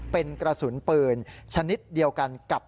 เป็นกระสุนปืนชนิดเดียวกันกับ